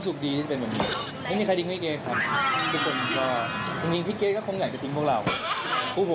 มีมีคนไปด้วยนะครับ